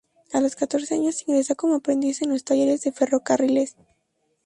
A los catorce años ingresa como aprendiz en los talleres de ferrocarriles.